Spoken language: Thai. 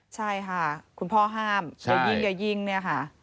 ใช่ค่ะคุณพ่อห้ามอย่ายิงอย่ายิงเนี่ยค่ะ